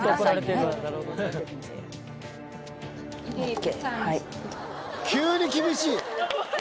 ＯＫ。